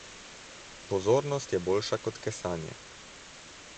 Pozornost je boljša kot kesanje.